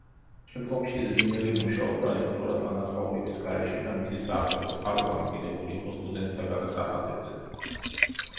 შემდგომში ზიმელი მუშაობდა ლექტორად ანაზღაურების გარეშე და მისი საარსებო წყარო დამოკიდებული იყო სტუდენტთა გადასახადებზე.